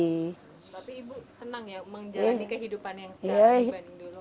tapi ibu senang ya menjalani kehidupan yang sejati